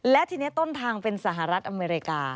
และทีนี้ต้นทางเป็นสหรัฐอเมริกา